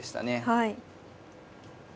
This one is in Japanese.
はい。